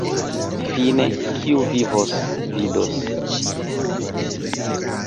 Fine, kiu vivos, vidos.